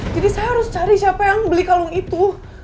jadi saya harus cari siapa yang beli kalung itu